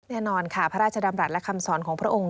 แน่นอนค่ะพระราชดำรัฐและคำสอนของพระองค์